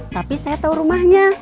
tapi saya tau rumahnya